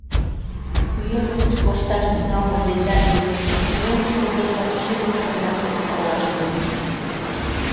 Пӱем угыч коршташ тӱҥалме дечат лӱдын, мӧҥгыштӧ Бэла чӱчӱ дене пырля суртым оролаш кодым.